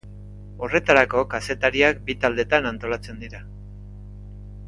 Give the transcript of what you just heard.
Horretarako kazetariak bi taldetan antolatzen dira.